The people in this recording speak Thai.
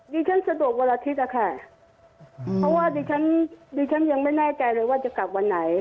ฉันสะดวกวันอาทิตย์อะค่ะเพราะว่าดิฉันดิฉันยังไม่แน่ใจเลยว่าจะกลับวันไหน